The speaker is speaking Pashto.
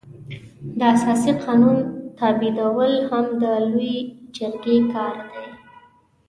د اساسي قانون تعدیلول هم د لويې جرګې کار دی.